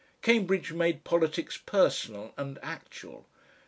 Cambridge made politics personal and actual.